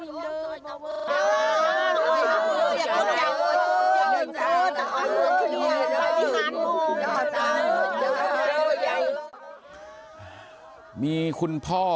ยายก็นั่งร้องไห้ลูบคลำลงศพตลอดเวลา